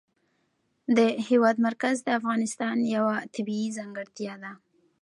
د هېواد مرکز د افغانستان یوه طبیعي ځانګړتیا ده.